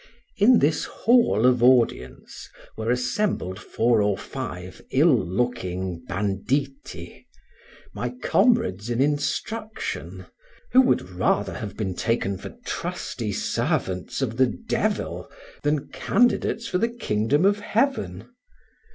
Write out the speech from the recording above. In this hall of audience were assembled four or five ill looking banditti, my comrades in instruction, who would rather have been taken for trusty servants of the devil than candidates for the kingdom of heaven.